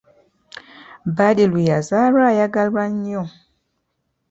Badru yazaalwa ayagalwa nnyo.